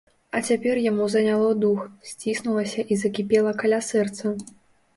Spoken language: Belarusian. А цяпер яму заняло дух, сціснулася і закіпела каля сэрца.